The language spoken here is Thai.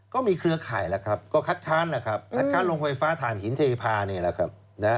ก็มีเครือข่ายแล้วครับก็คัดค้านลงไฟฟ้าถ่านหินเทพาะนี่แหละครับ